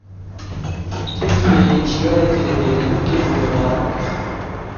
Tirkiyeyê çiyayekî li Dêrelûkê bombebaran kir.